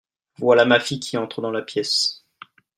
Voilà ma fille qui entre dans la pièce.